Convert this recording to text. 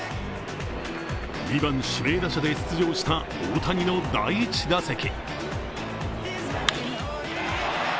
２番・指名打者で出場した大谷の第１打席。